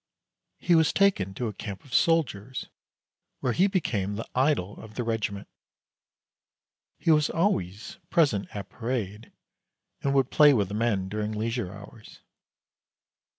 He was taken to a camp of soldiers, where he became the idol of the regiment. He was always present at parade and would play with the men during leisure hours.